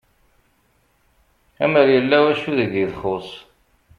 Amer yella wacu deg i txuss